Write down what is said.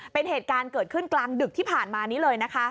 เป็นเหตุการณ์เกิดขึ้นกลางดึกที่ผ่านมานี้เลยนะคะ